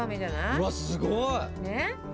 うわ、すごい！